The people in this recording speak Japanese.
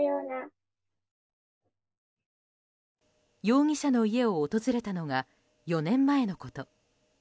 容疑者の家を訪れたのが４年前のこと。